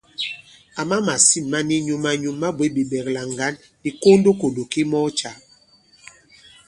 Àma màsîn ma ni nyum-a-nyum ma bwě bìɓɛ̀klà ŋgǎn nì kondokòndò ki mɔɔ cǎ.